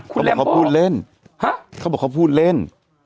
เขาบอกเขาพูดเล่น